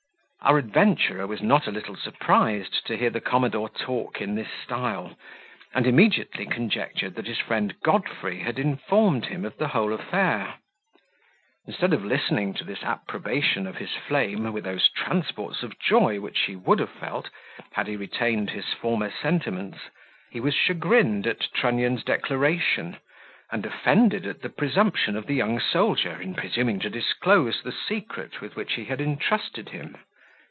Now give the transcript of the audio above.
Our adventurer was not a little surprised to hear the commodore talk in this style; and immediately conjectured that his friend Godfrey had informed him of the whole affair. Instead of listening to this approbation of his flame, with those transports of joy which he would have felt, had he retained his former sentiments, he was chagrined at Trunnion's declaration, and offended at the presumption of the young soldier, in presuming to disclose the secret with which he had entrusted him.